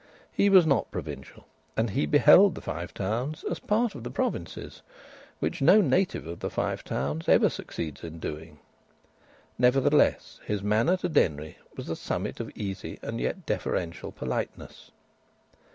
He was not provincial, and he beheld the Five Towns as part of the provinces; which no native of the Five Towns ever succeeds in doing. Nevertheless, his manner to Denry was the summit of easy and yet deferential politeness.